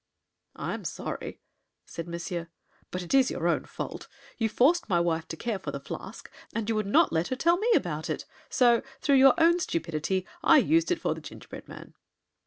"I'm sorry," said Monsieur; "but it is your own fault. You forced my wife to care for the flask, and you would not let her tell me about it. So, through your own stupidity, I used it in the gingerbread man."